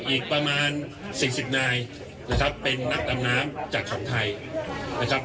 อีกประมาณ๔๐นายนะครับเป็นนักดำน้ำจากของไทยนะครับ